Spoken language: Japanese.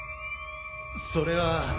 それは。